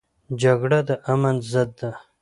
جګړه د امن ضد ده